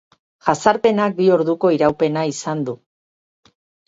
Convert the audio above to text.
Jazarpenak bi orduko iraupena izan du.